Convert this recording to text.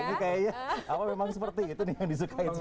ini kayaknya apa memang seperti itu nih yang disukain sama